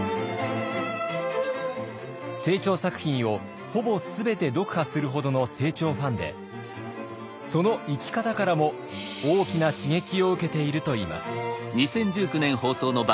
清張作品をほぼ全て読破するほどの清張ファンでその生き方からも大きな刺激を受けているといいます。